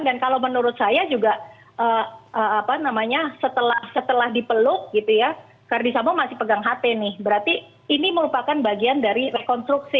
dan kalau menurut saya juga setelah dipeluk karena di sama masih pegang hp nih berarti ini merupakan bagian dari rekonstruksi